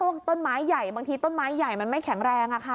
ต้นไม้ใหญ่บางทีต้นไม้ใหญ่มันไม่แข็งแรงอะค่ะ